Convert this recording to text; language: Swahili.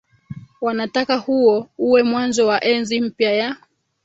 wanataka huo uwe mwanzo wa enzi mpya ya